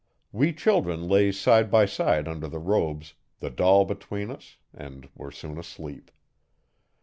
We children lay side by side under the robes, the doll between us, and were soon asleep.